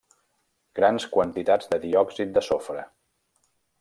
Grans quantitats de diòxid de sofre.